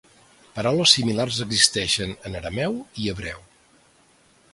Paraules similars existeixen en arameu i hebreu.